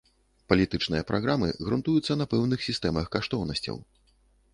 Палітычныя праграмы грунтуюцца на пэўных сістэмах каштоўнасцяў.